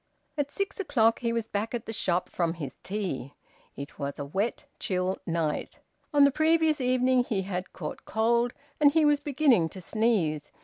At six o'clock he was back at the shop from his tea. It was a wet, chill night. On the previous evening he had caught cold, and he was beginning to sneeze.